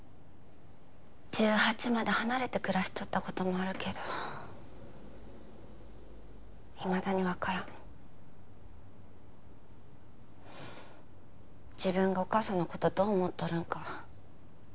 １８まで離れて暮らしとったこともあるけどいまだに分からん自分がお母さんのことどう思っとるんか